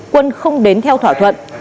quân không đến theo thỏa thuận